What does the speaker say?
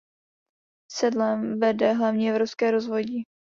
Sedlem vede hlavní evropské rozvodí.